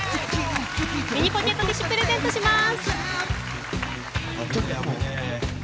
ミニポケットティッシュをプレゼントします。